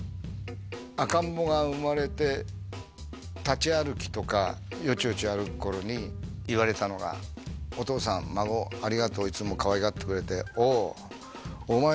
赤ん坊が生まれて立ち歩きとかよちよち歩くころに言われたのが「お父さん孫ありがとういつもかわいがってくれて」「おう」